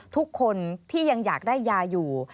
ทุกคนที่ยังอยากได้ยาอยู่